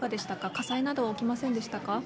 火災などは起きませんでしたか。